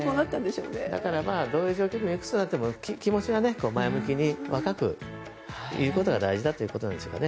どういう状況でもいくつになっても気持ちは前向きに若くいることが大事だということですかね。